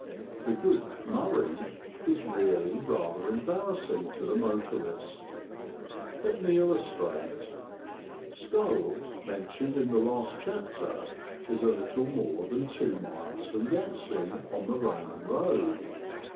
The good "Murray" is really rather embarrassing to the motorist. Let me illustrate. Scole, mentioned in the last chapter, is a little more than two miles from Yaxley, on the Roman road.